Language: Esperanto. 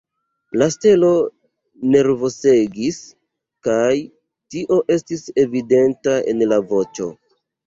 La stelo nervosegis, kaj tio estis evidenta en la voĉo.